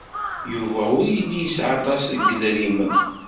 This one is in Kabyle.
Yuba ur yelli yesɛa aṭas n yedrimen.